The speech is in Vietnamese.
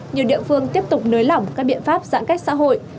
nhiều địa phương tiếp tục nới lỏng các biện pháp giãn cách xã hội